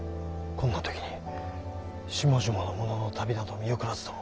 こんな時に下々の者の旅など見送らずとも。